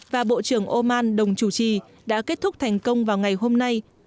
và bộ trưởng oman đồng chủ trì đã kết thúc thành công vào ngày hôm nay